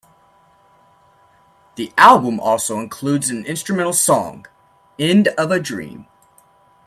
The album also includes an instrumental song, "End Of A Dream".